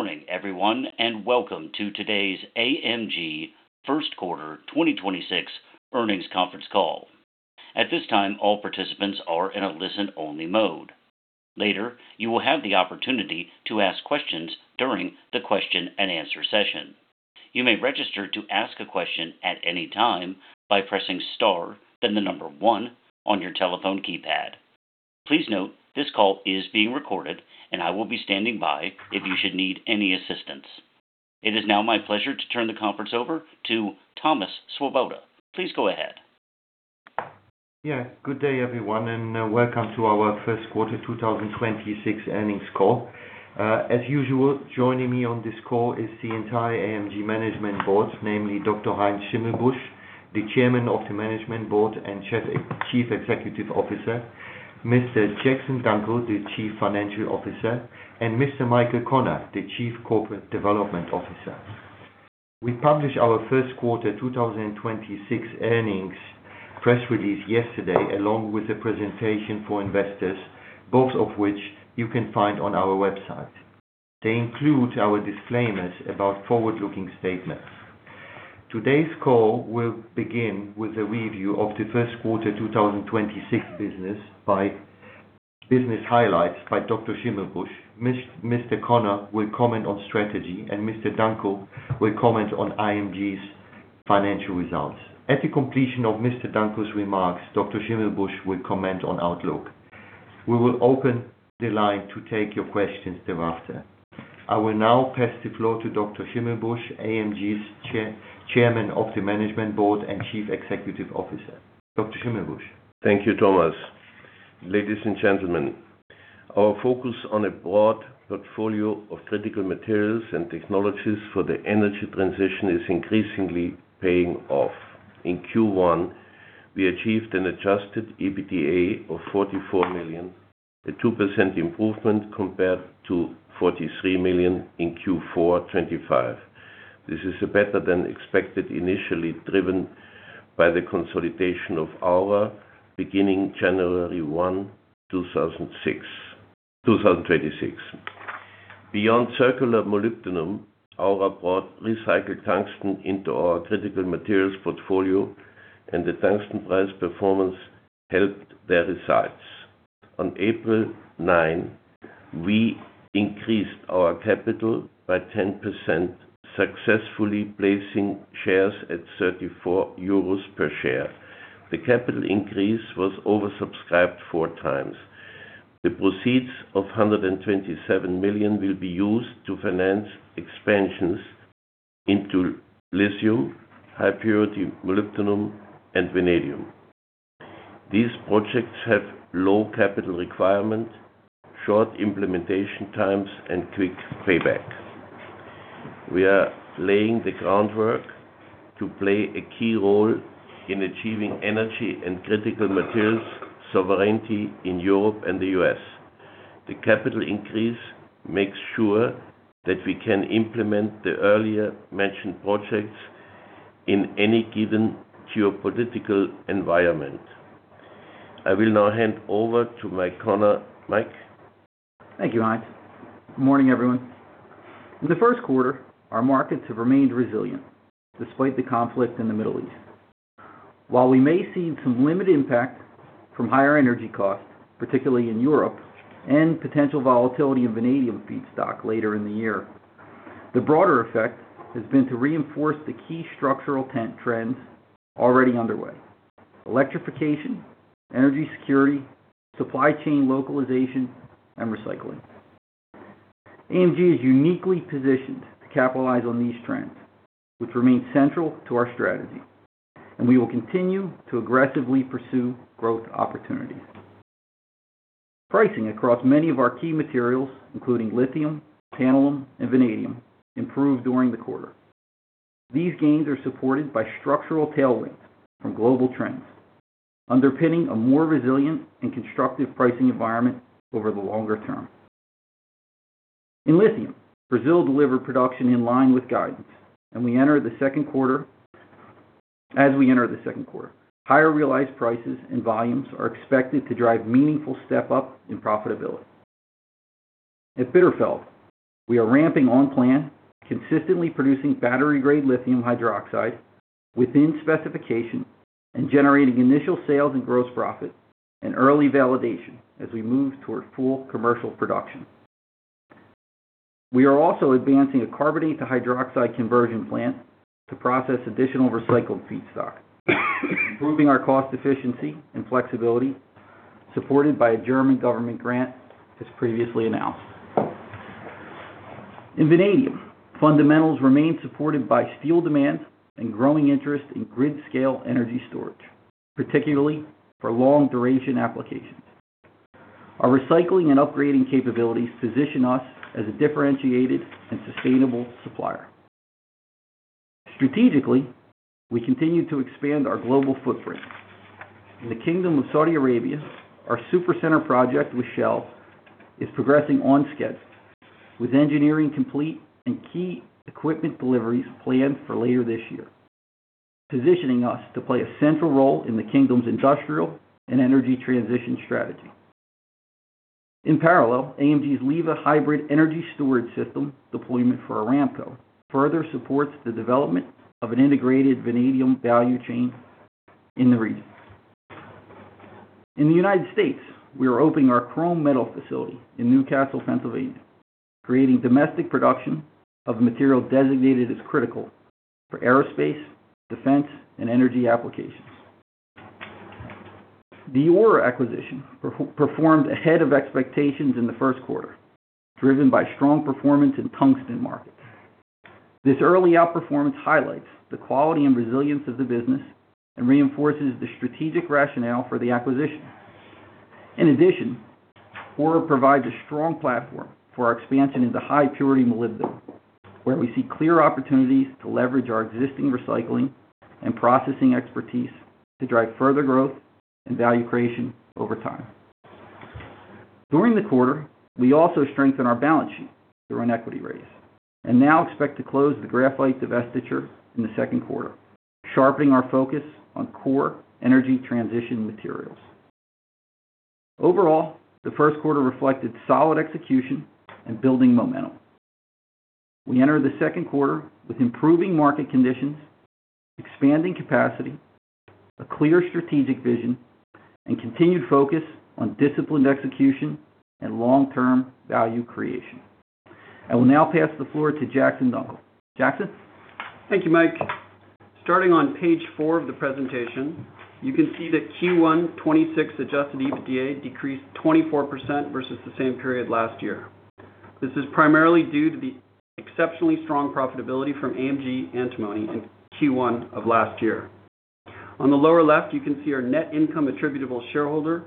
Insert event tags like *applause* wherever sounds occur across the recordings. Good morning, everyone, and welcome to today's AMG First Quarter 2026 Earnings Conference Call. At this time, all participants are in a listen-only mode. Later, you will have the opportunity to ask questions during the question and answer session. You may register to ask a question at any time by pressing star, then one on your telephone keypad. Please note this call is being recorded, and I will be standing by if you should need any assistance. It is now my pleasure to turn the conference over to Thomas Swoboda. Please go ahead. Yeah. Good day, everyone, and welcome to our first quarter 2026 earnings call. As usual, joining me on this call is the entire AMG Management Board, namely Dr. Heinz Schimmelbusch, the Chairman of the Management Board and Chief Executive Officer; Mr. Jackson Dunckel, the Chief Financial Officer; and Mr. Michael Connor, the Chief Corporate Development Officer. We published our first quarter 2026 earnings press release yesterday, along with a presentation for investors, both of which you can find on our website. They include our disclaimers about forward-looking statements. Today's call will begin with a review of the first quarter 2026 business by business highlights by Dr. Schimmelbusch. Mr. Connor will comment on strategy, and Mr. Dunckel will comment on AMG's financial results. At the completion of Mr. Dunckel's remarks, Dr. Schimmelbusch will comment on outlook. We will open the line to take your questions thereafter. I will now pass the floor to Dr. Schimmelbusch, AMG's Chairman of the Management Board and Chief Executive Officer. Dr. Schimmelbusch. Thank you, Thomas. Ladies and gentlemen, our focus on a broad portfolio of critical materials and technologies for the energy transition is increasingly paying off. In Q1, we achieved an adjusted EBITDA of 44 million, a 2% improvement compared to 43 million in Q4 2025. This is better than expected initially, driven by the consolidation of AURA beginning January 1, 2026. Beyond circular molybdenum, AURA brought recycled tungsten into our critical materials portfolio, and the tungsten price performance helped their results. On April 9, we increased our capital by 10%, successfully placing shares at 34 euros per share. The capital increase was oversubscribed four times. The proceeds of 127 million will be used to finance expansions into lithium, high-purity molybdenum, and vanadium. These projects have low capital requirement, short implementation times, and quick payback. We are laying the groundwork to play a key role in achieving energy and critical materials sovereignty in Europe and the U.S. The capital increase makes sure that we can implement the earlier mentioned projects in any given geopolitical environment. I will now hand over to Mike Connor. Mike? Thank you, Heinz. Good morning, everyone. In the first quarter, our markets have remained resilient despite the conflict in the Middle East. While we may see some limited impact from higher energy costs, particularly in Europe and potential volatility of vanadium feedstock later in the year, the broader effect has been to reinforce the key structural ten-trends already underway: electrification, energy security, supply chain localization, and recycling. AMG is uniquely positioned to capitalize on these trends, which remain central to our strategy, and we will continue to aggressively pursue growth opportunities. Pricing across many of our key materials, including lithium, tantalum, and vanadium, improved during the quarter. These gains are supported by structural tailwinds from global trends, underpinning a more resilient and constructive pricing environment over the longer term. In lithium, Brazil delivered production in line with guidance, as we enter the second quarter. Higher realized prices and volumes are expected to drive meaningful step-up in profitability. At Bitterfeld, we are ramping on plan, consistently producing battery-grade lithium hydroxide within specification and generating initial sales and gross profit and early validation as we move toward full commercial production. We are also advancing a carbonate to hydroxide conversion plant to process additional recycled feedstock, improving our cost efficiency and flexibility, supported by a German government grant, as previously announced. In vanadium, fundamentals remain supported by steel demand and growing interest in grid-scale energy storage, particularly for long-duration applications. Our recycling and upgrading capabilities position us as a differentiated and sustainable supplier. Strategically, we continue to expand our global footprint. In the Kingdom of Saudi Arabia, our supercenter project with Shell is progressing on schedule, with engineering complete and key equipment deliveries planned for later this year. Positioning us to play a central role in the kingdom's industrial and energy transition strategy. In parallel, AMG's LIVA Hybrid Energy Storage System deployment for Aramco further supports the development of an integrated vanadium value chain in the region. In the United States, we are opening our chrome metal facility in New Castle, Pennsylvania, creating domestic production of material designated as critical for aerospace, defense, and energy applications. The AURA acquisition performed ahead of expectations in the first quarter, driven by strong performance in tungsten markets. This early outperformance highlights the quality and resilience of the business and reinforces the strategic rationale for the acquisition. In addition, AURA provides a strong platform for our expansion into high purity molybdenum, where we see clear opportunities to leverage our existing recycling and processing expertise to drive further growth and value creation over time. During the quarter, we also strengthened our balance sheet through an equity raise and now expect to close the graphite divestiture in the second quarter, sharpening our focus on core energy transition materials. Overall, the first quarter reflected solid execution and building momentum. We enter the second quarter with improving market conditions, expanding capacity, a clear strategic vision, and continued focus on disciplined execution and long-term value creation. I will now pass the floor to Jackson Dunckel. Jackson? Thank you, Mike. Starting on page four of the presentation, you can see that Q1 2026 adjusted EBITDA decreased 24% versus the same period last year. This is primarily due to the exceptionally strong profitability from AMG Antimony in Q1 last year. On the lower left, you can see our net income attributable shareholder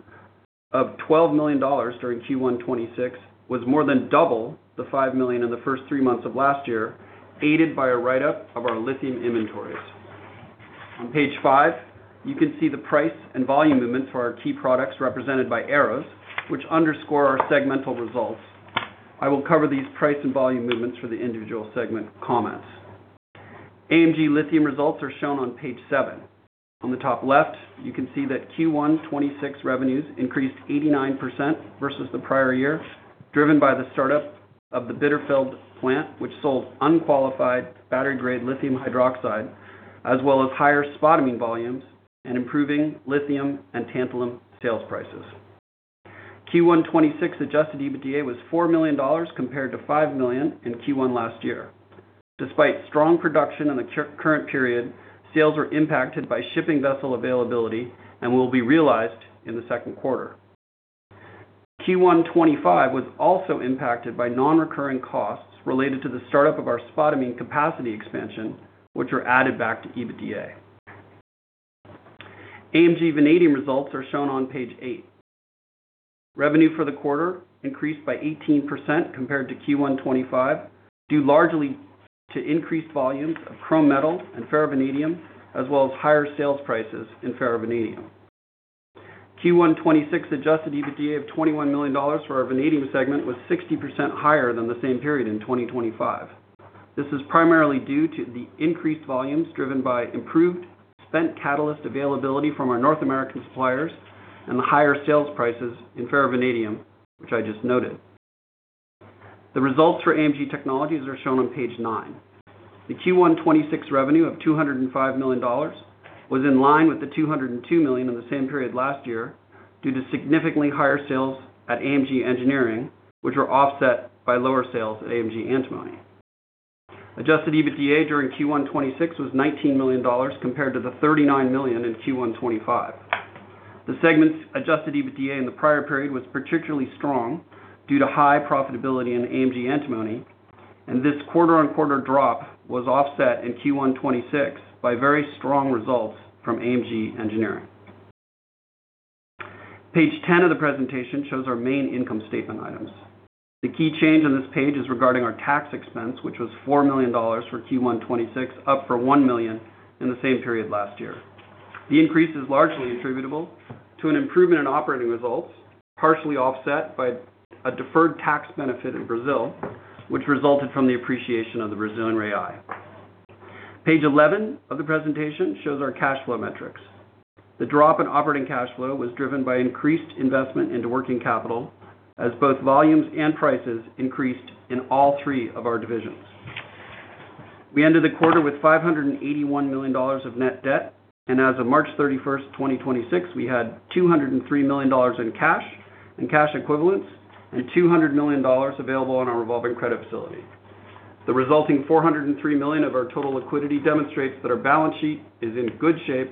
of $12 million during Q1 2026 was more than double the $5 million in the first three months of last year, aided by a write-up of our lithium inventories. On page five, you can see the price and volume movements for our key products represented by arrows, which underscore our segmental results. I will cover these price and volume movements for the individual segment comments. AMG Lithium results are shown on page seven. On the top left, you can see that Q1 2026 revenues increased 89% versus the prior year, driven by the startup of the Bitterfeld plant, which sold unqualified battery-grade lithium hydroxide, as well as higher spodumene volumes and improving lithium and tantalum sales prices. Q1 2026 adjusted EBITDA was $4 million compared to $5 million in Q1 last year. Despite strong production in the current period, sales were impacted by shipping vessel availability and will be realized in the second quarter. Q1 2025 was also impacted by non-recurring costs related to the startup of our spodumene capacity expansion, which are added back to EBITDA. AMG Vanadium results are shown on page eight. Revenue for the quarter increased by 18% compared to Q1 2025, due largely to increased volumes of chrome metal and ferrovanadium, as well as higher sales prices in ferrovanadium. Q1 2026 adjusted EBITDA of $21 million for our vanadium segment was 60% higher than the same period in 2025. This is primarily due to the increased volumes driven by improved spent catalyst availability from our North American suppliers and the higher sales prices in ferrovanadium, which I just noted. The results for AMG Technologies are shown on page nine. The Q1 2026 revenue of $205 million was in line with the $202 million in the same period last year due to significantly higher sales at AMG Engineering, which were offset by lower sales at AMG Antimony. Adjusted EBITDA during Q1 2026 was $19 million compared to the $39 million in Q1 2025. The segment's adjusted EBITDA in the prior period was particularly strong due to high profitability in AMG Antimony. This quarter-on-quarter drop was offset in Q1 2026 by very strong results from AMG Engineering. Page 10 of the presentation shows our main income statement items. The key change on this page is regarding our tax expense, which was $4 million for Q1 2026, up from $1 million in the same period last year. The increase is largely attributable to an improvement in operating results, partially offset by a deferred tax benefit in Brazil, which resulted from the appreciation of the Brazilian real. Page 11 of the presentation shows our cash flow metrics. The drop in operating cash flow was driven by increased investment into working capital as both volumes and prices increased in all three of our divisions. We ended the quarter with $581 million of net debt, and as of March 31, 2026, we had $203 million in cash and cash equivalents and $200 million available on our revolving credit facility. The resulting $403 million of our total liquidity demonstrates that our balance sheet is in good shape,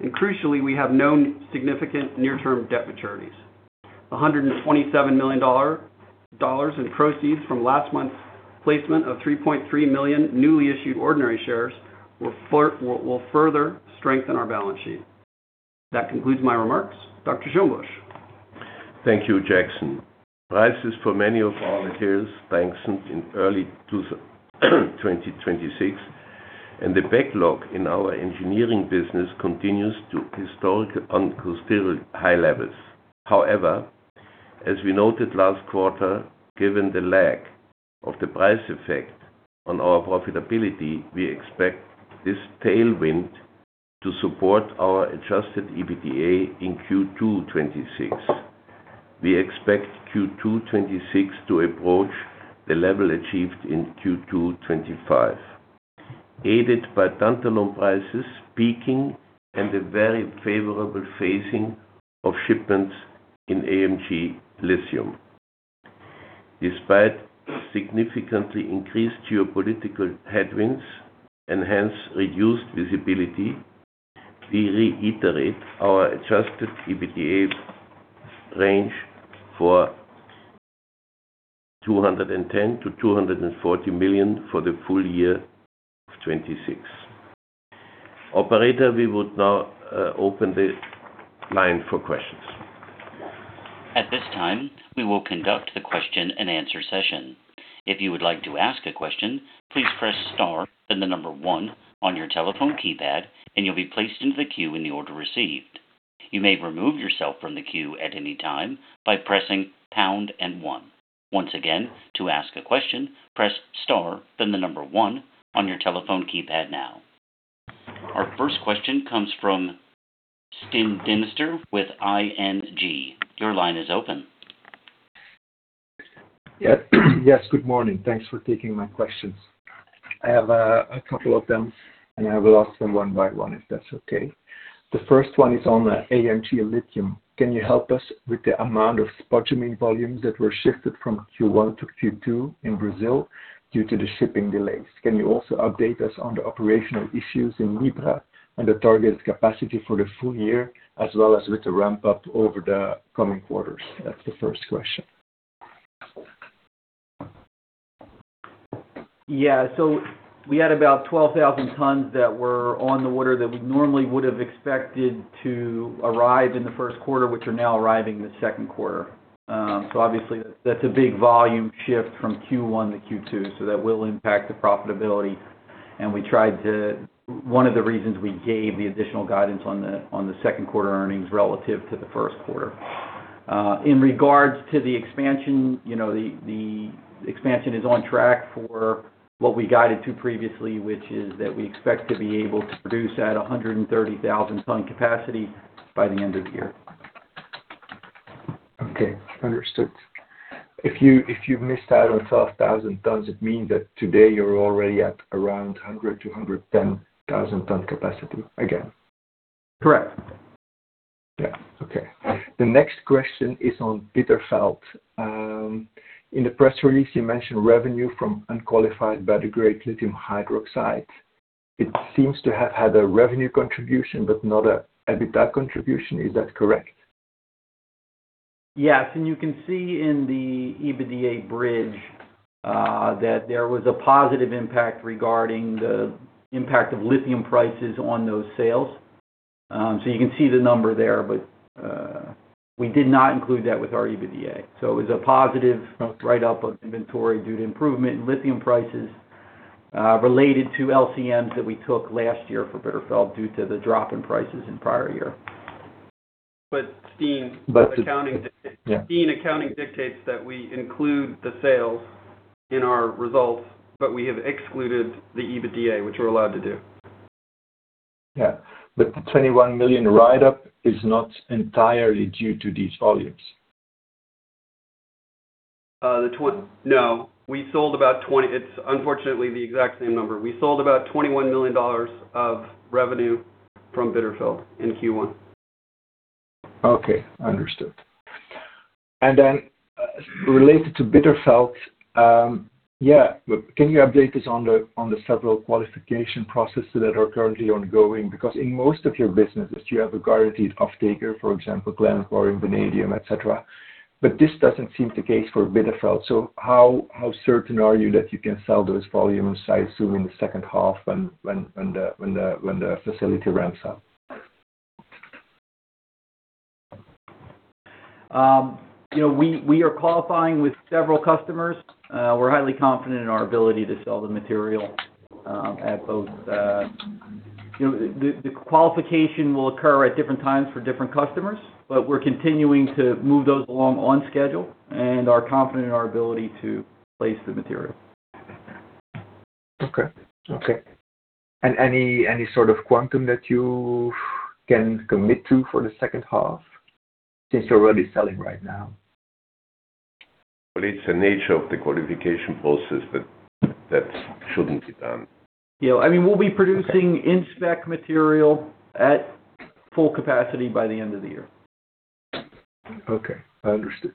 and crucially, we have no significant near-term debt maturities. $127 million in proceeds from last month's placement of 3.3 million newly issued ordinary shares will further strengthen our balance sheet. That concludes my remarks. Dr. Schimmelbusch. Thank you, Jackson. Prices for many of our materials strengthened in early 2026, the backlog in our engineering business continues to historic unprecedented high levels. As we noted last quarter, given the lag of the price effect on our profitability, we expect this tailwind to support our adjusted EBITDA in Q2 2026. We expect Q2 2026 to approach the level achieved in Q2 2025, aided by tantalum prices peaking and a very favorable phasing of shipments in AMG Lithium. Despite significantly increased geopolitical headwinds and hence reduced visibility, we reiterate our adjusted EBITDA range for 210 million-240 million for the full year of 2026. Operator, we would now open the line for questions. At this time, we will conduct the question-and-answer session. If you would like to ask a question, please press star one on your telephone keypad, and you'll be placed into the queue in the order received. You may remove yourself from the queue at any time by pressing pound and one. Once again, to ask a question, press star one on your telephone keypad now. Our first question comes from Stijn Demeester with ING. Your line is open. Yes. Yes, good morning. Thanks for taking my questions. I have a couple of them, I will ask them one by one, if that's okay. The first one is on the AMG Lithium. Can you help us with the amount of spodumene volumes that were shifted from Q1 to Q2 in Brazil due to the shipping delays? Can you also update us on the operational issues in LIVA and the target capacity for the full year, as well as with the ramp-up over the coming quarters? That's the first question. We had about 12,000 tons that were on the water that we normally would have expected to arrive in the first quarter, which are now arriving in the second quarter. Obviously, that's a big volume shift from Q1 to Q2. That will impact the profitability. One of the reasons we gave the additional guidance on the second quarter earnings relative to the first quarter. In regards to the expansion, you know, the expansion is on track for what we guided to previously, which is that we expect to be able to produce at 130,000 ton capacity by the end of the year. Okay. Understood. If you've missed out on 12,000 tons, it means that today you're already at around 100,000 to 110,000 ton capacity again. Correct. Yeah. Okay. The next question is on Bitterfeld. In the press release, you mentioned revenue from unqualified battery-grade lithium hydroxide. It seems to have had a revenue contribution but not an EBITDA contribution. Is that correct? Yes. You can see in the EBITDA bridge that there was a positive impact regarding the impact of lithium prices on those sales. You can see the number there, but we did not include that with our EBITDA. It was a positive write-up of inventory due to improvement in lithium prices, related to LCMs that we took last year for Bitterfeld due to the drop in prices in prior year. Stijn- But the- Accounting di- Yeah. Stijn, accounting dictates that we include the sales in our results, but we have excluded the EBITDA, which we're allowed to do. Yeah. The $21 million write-up is not entirely due to these volumes. No. We sold about $20 million. It's unfortunately the exact same number. We sold about $21 million of revenue from Bitterfeld in Q1. Okay. Understood. Related to Bitterfeld, can you update us on the several qualification processes that are currently ongoing? Because in most of your businesses, you have a guaranteed off-taker, for example, Glencore in vanadium, et cetera, but this doesn't seem the case for Bitterfeld. How certain are you that you can sell those volumes, say, assuming the second half when the facility ramps up? You know, we are qualifying with several customers. We're highly confident in our ability to sell the material. You know, the qualification will occur at different times for different customers, but we're continuing to move those along on schedule and are confident in our ability to place the material. Okay. Okay. Any sort of quantum that you can commit to for the second half since you're already selling right now? Well, it's the nature of the qualification process, but that shouldn't be done. You know, I mean, we'll be producing *audio distortion* material at full capacity by the end of the year. Okay. Understood.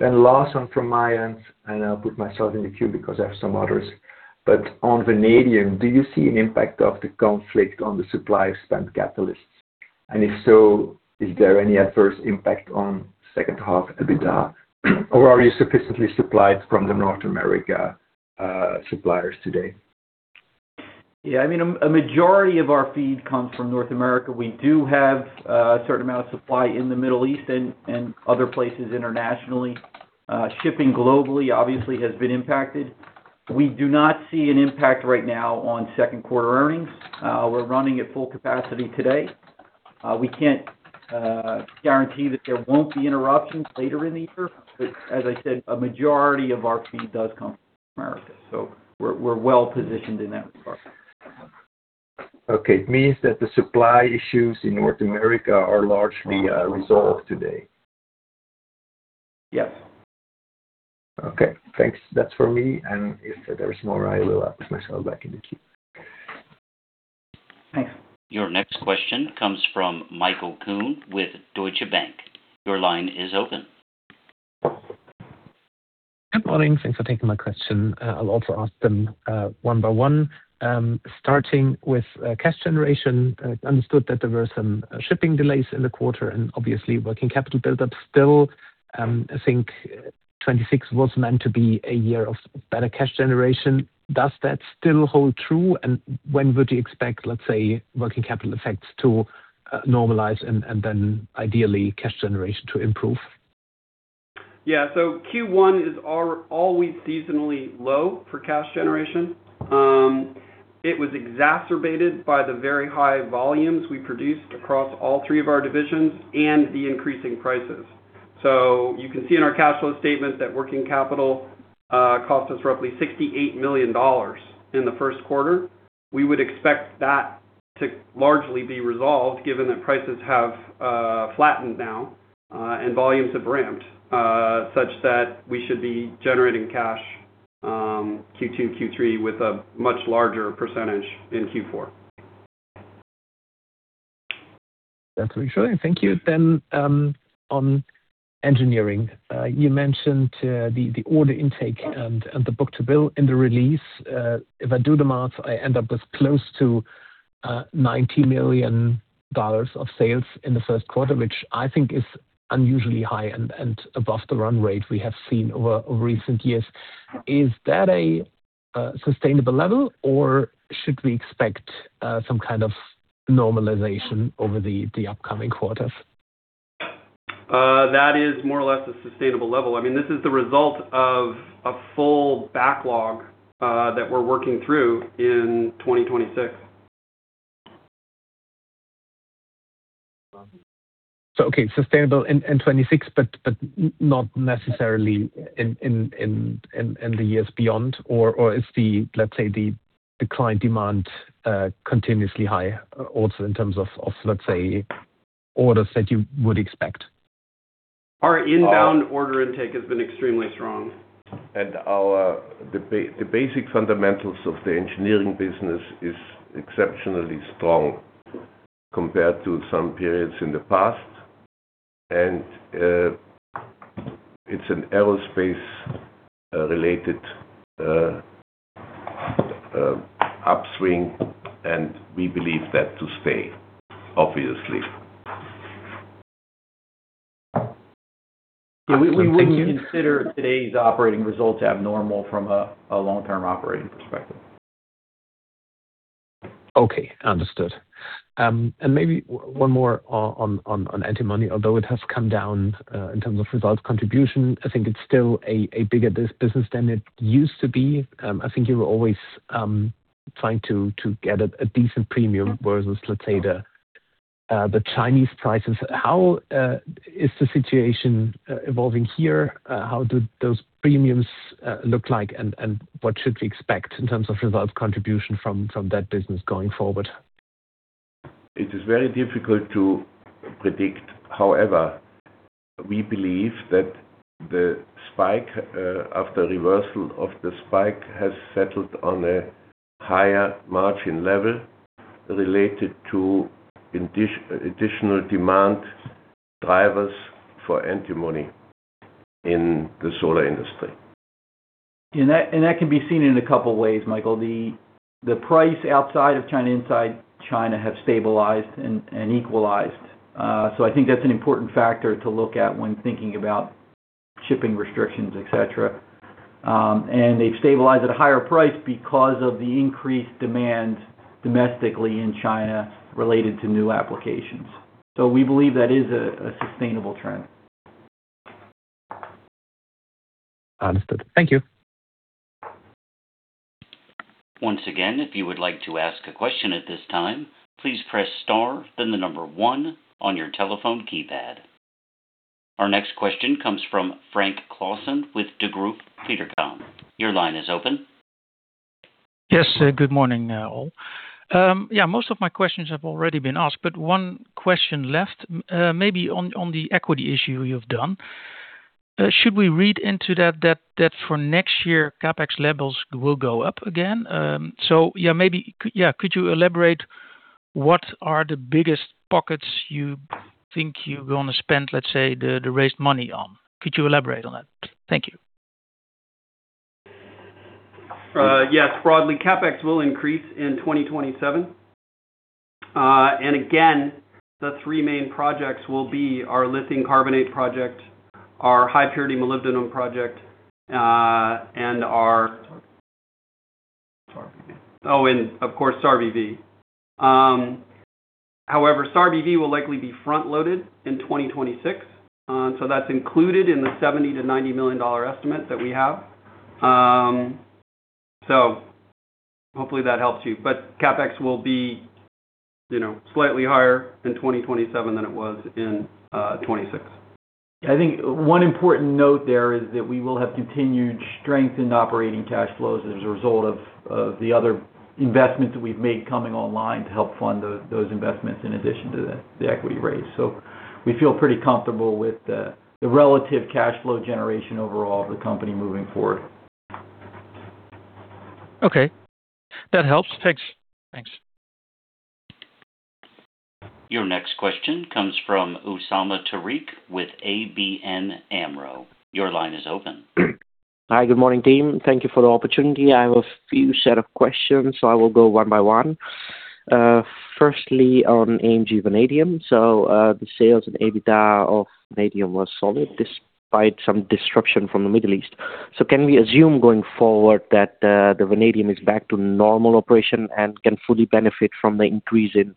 Last one from my end, and I'll put myself in the queue because I have some others. On vanadium, do you see an impact of the conflict on the supply of spent catalysts? If so, is there any adverse impact on second half EBITDA, or are you sufficiently supplied from the North America suppliers today? Yeah. I mean, a majority of our feed comes from North America. We do have a certain amount of supply in the Middle East and other places internationally. Shipping globally obviously has been impacted. We do not see an impact right now on second quarter earnings. We're running at full capacity today. We can't guarantee that there won't be interruptions later in the year, but as I said, a majority of our feed does come from America, so we're well-positioned in that regard. Okay. It means that the supply issues in North America are largely resolved today. Yes. Okay. Thanks. That's for me, and if there is more, I will put myself back in the queue. Thanks. Your next question comes from Michael Kuhn with Deutsche Bank. Your line is open. Good morning. Thanks for taking my question. I'll also ask them one by one. Starting with cash generation. Understood that there were some shipping delays in the quarter and obviously working capital buildup still. I think 2026 was meant to be a year of better cash generation. Does that still hold true and when would you expect, let's say, working capital effects to normalize and then ideally cash generation to improve? Q1 is always seasonally low for cash generation. It was exacerbated by the very high volumes we produced across all three of our divisions and the increasing prices. You can see in our cash flow statement that working capital cost us roughly EUR 68 million in the first quarter. We would expect that to largely be resolved given that prices have flattened now and volumes have ramped such that we should be generating cash Q2, Q3 with a much larger percentage in Q4. That's reassuring. Thank you. On engineering. You mentioned the order intake and the book-to-bill in the release. If I do the math, I end up with close to $90 million of sales in the first quarter, which I think is unusually high and above the run rate we have seen over recent years. Is that a sustainable level or should we expect some kind of normalization over the upcoming quarters? That is more or less a sustainable level. I mean, this is the result of a full backlog that we're working through in 2026. Okay, sustainable in 2026, but not necessarily in the years beyond or is the, let's say, the client demand continuously high also in terms of, let's say, orders that you would expect? Our inbound order intake has been extremely strong. The basic fundamentals of the engineering business is exceptionally strong compared to some periods in the past. It's an aerospace related upswing, and we believe that to stay, obviously. Yeah, we wouldn't consider today's operating results abnormal from a long-term operating perspective. Okay. Understood. Maybe one more on Antimony. Although it has come down in terms of results contribution, I think it's still a bigger business than it used to be. I think you were always trying to get a decent premium versus, let's say, the Chinese prices. How is the situation evolving here? How do those premiums look like and what should we expect in terms of results contribution from that business going forward? It is very difficult to predict. We believe that the spike after reversal of the spike has settled on a higher margin level related to additional demand drivers for Antimony in the solar industry. That can be seen in a couple ways, Michael. The price outside of China, inside China have stabilized and equalized. I think that's an important factor to look at when thinking about shipping restrictions, et cetera. They've stabilized at a higher price because of the increased demand domestically in China related to new applications. We believe that is a sustainable trend. Understood. Thank you. Our next question comes from Frank Claassen with Degroof Petercam. Your line is open. Yes. Good morning, all. Yeah, most of my questions have already been asked, but one question left. Maybe on the equity issue you've done. Should we read into that for next year, CapEx levels will go up again? Yeah, could you elaborate what are the biggest pockets you think you're gonna spend, let's say, the raised money on? Could you elaborate on that? Thank you. Yes. Broadly, CapEx will increase in 2027. Again, the three main projects will be our lithium carbonate project, our high purity molybdenum project, and of course, SARBV. However, SARBV will likely be front-loaded in 2026. That's included in the $70 million-$90 million estimate that we have. Hopefully that helps you. CapEx will be, you know, slightly higher in 2027 than it was in 2026. I think one important note there is that we will have continued strength in operating cash flows as a result of the other investments that we've made coming online to help fund those investments in addition to the equity raise. We feel pretty comfortable with the relative cash flow generation overall of the company moving forward. Okay. That helps. Thanks. Thanks. Your next question comes from Usama Tariq with ABN AMRO. Your line is open. Hi. Good morning, team. Thank you for the opportunity. I have a few set of questions. I will go one by one. Firstly, on AMG Vanadium. The sales and EBITDA of AMG Vanadium was solid despite some disruption from the Middle East. Can we assume going forward that AMG Vanadium is back to normal operation and can fully benefit from the increase in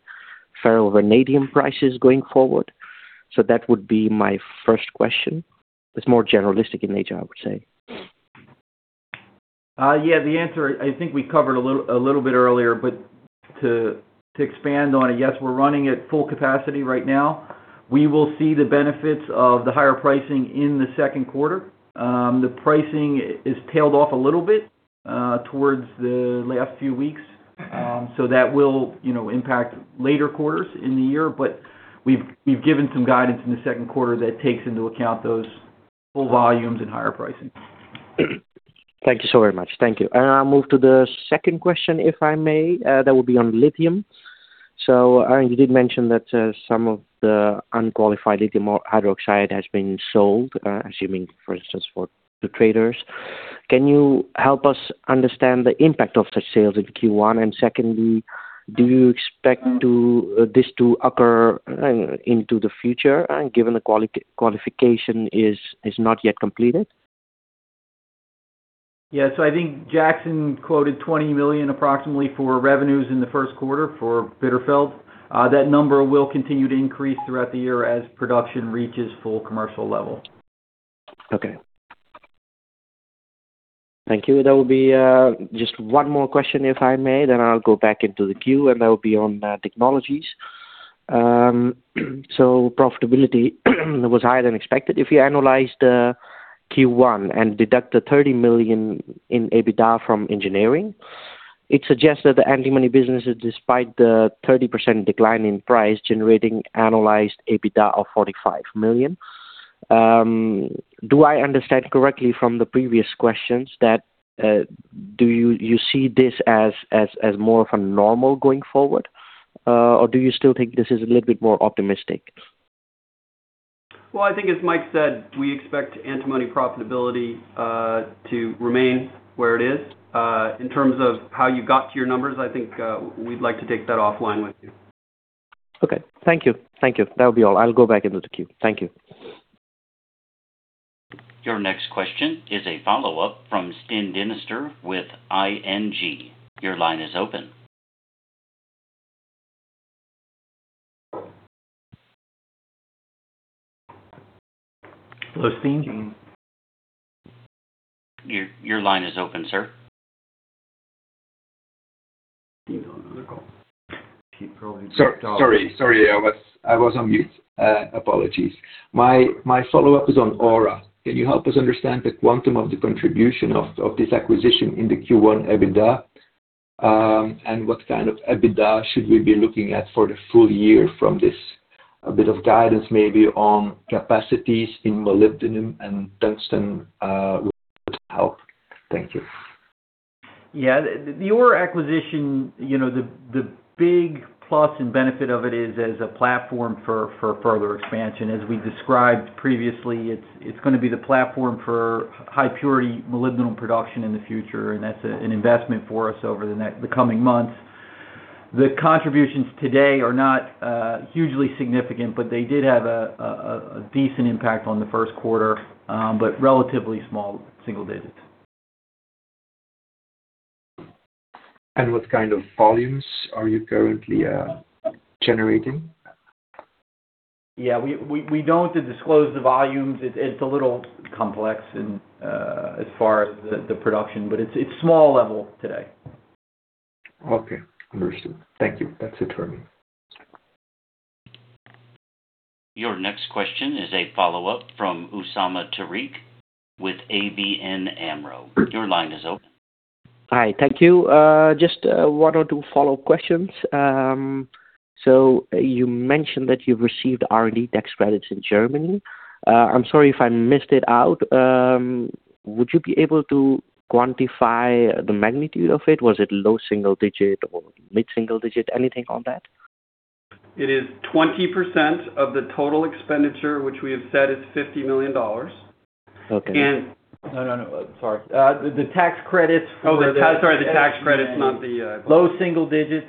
ferrovanadium prices going forward? That would be my first question. It's more generalistic in nature, I would say. Yeah, the answer, I think we covered a little bit earlier, but to expand on it, yes, we're running at full capacity right now. We will see the benefits of the higher pricing in the second quarter. The pricing is tailed off a little bit towards the last few weeks. That will, you know, impact later quarters in the year. We've given some guidance in the second quarter that takes into account those full volumes and higher pricing. Thank you so very much. Thank you. I'll move to the second question, if I may. That would be on lithium. You did mention that some of the unqualified lithium hydroxide has been sold, assuming, for instance, for the traders. Can you help us understand the impact of such sales in Q1? Secondly, do you expect this to occur into the future given the qualification is not yet completed? Yeah. I think Jackson quoted $20 million approximately for revenues in the first quarter for Bitterfeld. That number will continue to increase throughout the year as production reaches full commercial level. Okay. Thank you. That will be just one more question if I may, then I'll go back into the queue, and that will be on the technologies. Profitability was higher than expected. If you analyze the Q1 and deduct the $30 million in EBITDA from Engineering, it suggests that the Antimony business, despite the 30% decline in price, generating analyzed EBITDA of $45 million. Do I understand correctly from the previous questions that you see this as more of a normal going forward? Or do you still think this is a little bit more optimistic? Well, I think as Mike said, we expect Antimony profitability, to remain where it is. In terms of how you got to your numbers, I think, we'd like to take that offline with you. Okay. Thank you. Thank you. That would be all. I'll go back into the queue. Thank you. Your next question is a follow-up from Stijn Demeester with ING. Your line is open. Hello, Stijn. Your line is open, sir. You know another call. Keep going. Sorry, sorry. Sorry, I was on mute. Apologies. My follow-up is on AURA. Can you help us understand the quantum of the contribution of this acquisition in the Q1 EBITDA? What kind of EBITDA should we be looking at for the full year from this? A bit of guidance maybe on capacities in molybdenum and tungsten would help. Thank you. Yeah. The AURA acquisition, you know, the big plus and benefit of it is as a platform for further expansion. As we described previously, it's gonna be the platform for high purity molybdenum production in the future, and that's an investment for us over the coming months. The contributions today are not hugely significant, but they did have a decent impact on the first quarter, but relatively small single digits. What kind of volumes are you currently generating? Yeah, we don't disclose the volumes. It's a little complex and as far as the production, but it's small level today. Okay. Understood. Thank you. That's it for me. Your next question is a follow-up from Usama Tariq with ABN AMRO. Your line is open. Hi. Thank you. Just one or two follow-up questions. You mentioned that you've received R&D tax credits in Germany. I'm sorry if I missed it out. Would you be able to quantify the magnitude of it? Was it low single digit or mid-single digit? Anything on that? It is 20% of the total expenditure, which we have said is $50 million. Okay. No, no, sorry. The tax credits for the- Oh, sorry, the tax credits, not the. Low single digits.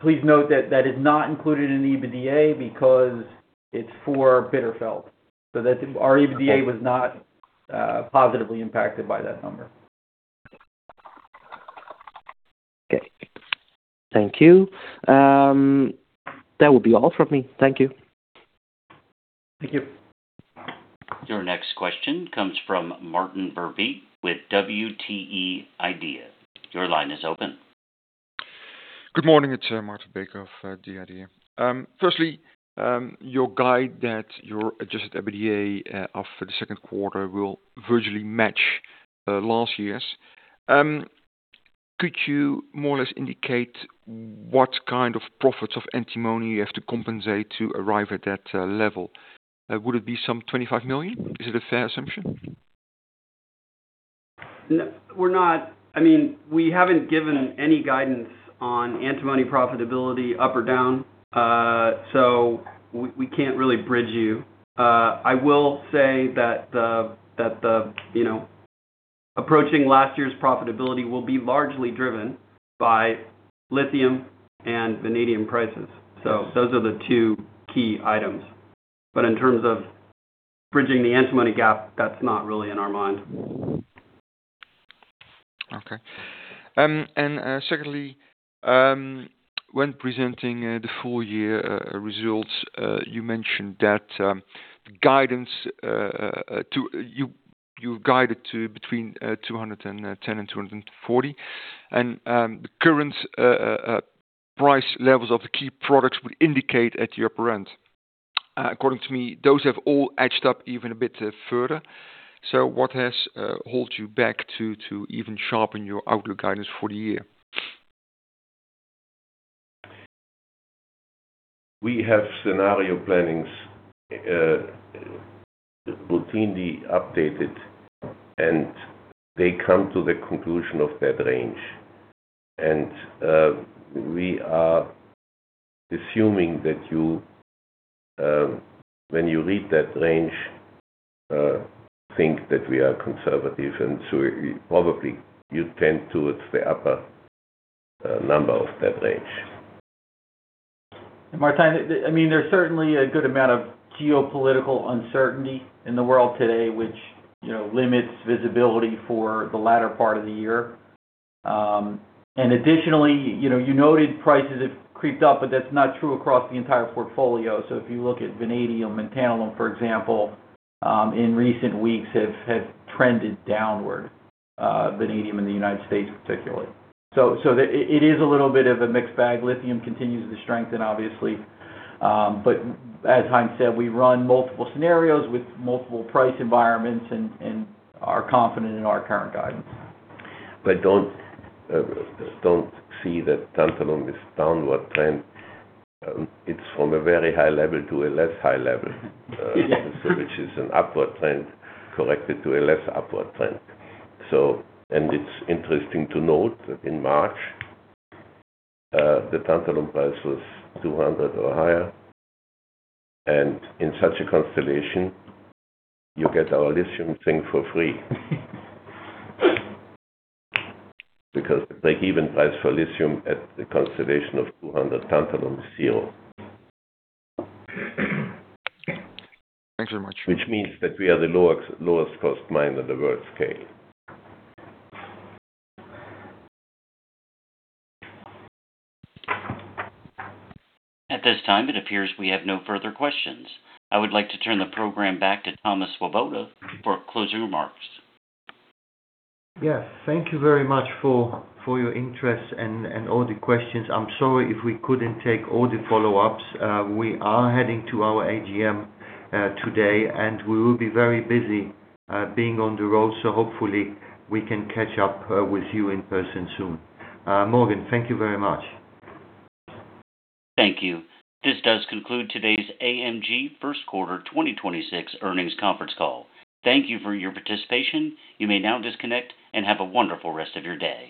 Please note that that is not included in the EBITDA because it's for Bitterfeld, so that our EBITDA was not positively impacted by that number. Okay. Thank you. That would be all from me. Thank you. Thank you. Your next question comes from Maarten Verbeek with the IDEA. Your line is open. Good morning, it's Maarten of the IDEA. Firstly, your guide that your adjusted EBITDA of the second quarter will virtually match last year's. Could you more or less indicate what kind of profits of Antimony you have to compensate to arrive at that level? Would it be some 25 million? Is it a fair assumption? No, we're not I mean, we haven't given any guidance on Antimony profitability up or down. We can't really bridge you. I will say that the, that the, you know, approaching last year's profitability will be largely driven by lithium and vanadium prices. Those are the two key items. In terms of bridging the Antimony gap, that's not really in our mind. Okay. Secondly, when presenting the full year results, you mentioned that the guidance you guided to between 210 and 240. The current price levels of the key products would indicate at the upper end. According to me, those have all edged up even a bit further. What has hold you back to even sharpen your outlook guidance for the year? We have scenario plannings, routinely updated, and they come to the conclusion of that range. We are assuming that you, when you read that range, think that we are conservative, and so probably you tend towards the upper, number of that range. Maarten, I mean, there's certainly a good amount of geopolitical uncertainty in the world today, which, you know, limits visibility for the latter part of the year. Additionally, you know, you noted prices have creeped up, but that's not true across the entire portfolio. If you look at vanadium and tantalum, for example, in recent weeks have trended downward, vanadium in the United States particularly. It is a little bit of a mixed bag. lithium continues to strengthen obviously. As Heinz said, we run multiple scenarios with multiple price environments and are confident in our current guidance. Don't see that tantalum is downward trend. It's from a very high level to a less high level. Which is an upward trend corrected to a less upward trend. It's interesting to note that in March, the tantalum price was 200 or higher, and in such a constellation, you get our lithium thing for free. Because the break-even price for lithium at the constellation of 200 tantalum is 0. Thank you very much. Which means that we are the lower, lowest cost miner on the world scale. At this time, it appears we have no further questions. I would like to turn the program back to Thomas Swoboda for closing remarks. Yes, thank you very much for your interest and all the questions. I am sorry if we couldn't take all the follow-ups. We are heading to our AGM today, and we will be very busy being on the road. Hopefully we can catch up with you in person soon. Morgan, thank you very much. Thank you. This does conclude today's AMG first quarter 2026 earnings conference call. Thank you for your participation. You may now disconnect and have a wonderful rest of your day.